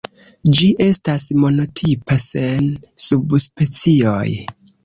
Ĝi estas monotipa, sen subspecioj.